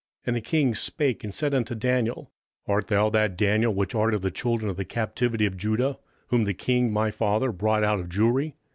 And the king spake and said unto Daniel, Art thou that Daniel, which art of the children of the captivity of Judah, whom the king my father brought out of Jewry?